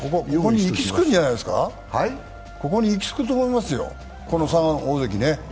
ここに行き着くと思いますよ、この３大関ね。